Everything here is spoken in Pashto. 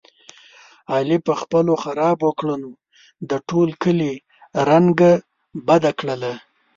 علي په خپلو خرابو کړنو د ټول کلي رنګه بده کړله.